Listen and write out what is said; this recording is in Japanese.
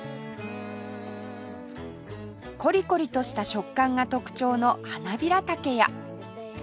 コリコリとした食感が特徴のハナビラタケや